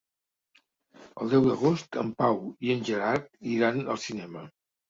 El deu d'agost en Pau i en Gerard iran al cinema.